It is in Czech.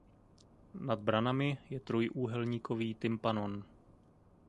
Nad branami je trojúhelníkový tympanon.